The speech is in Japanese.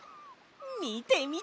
みてみて！